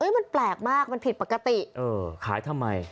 มันแปลกมากมันผิดปกติเออขายทำไม